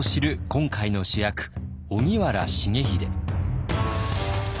今回の主役荻原重秀。